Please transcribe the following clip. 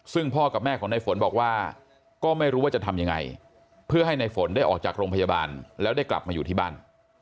ซึ่งพ่อกับแม่ของในฝนบอกว่าก็ไม่รู้ว่าจะทำยังไงเพื่อให้ในฝนได้ออกจากโรงพยาบาลแล้วได้กลับมาอยู่ที่บ้าน